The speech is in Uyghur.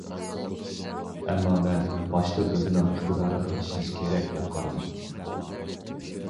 ئەمما مەن باشتا ئۆزىنىڭ ئىقتىدارىغا ئىشىنىش كېرەك، دەپ قارىدىم.